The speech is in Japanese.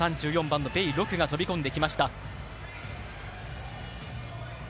３４番のベイ・ロクが飛び込んできました。